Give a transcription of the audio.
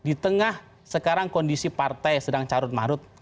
di tengah sekarang kondisi partai sedang carut marut